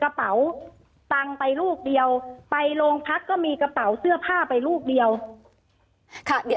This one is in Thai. กระเป๋าตังไปรูปเดียวไปโรงพักก็มีกระเป๋าเสื้อผ้าไปรูปเดียว